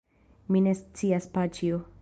Mi ne scias, paĉjo.